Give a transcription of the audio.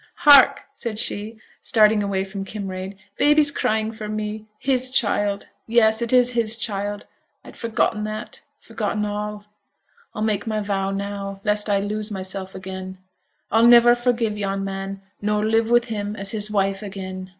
'Hark!' said she, starting away from Kinraid, 'baby's crying for me. His child yes, it is his child I'd forgotten that forgotten all. I'll make my vow now, lest I lose mysel' again. I'll never forgive yon man, nor live with him as his wife again.